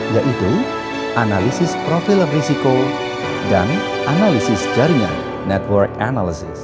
yaitu analisis profil risiko dan analisis jaringan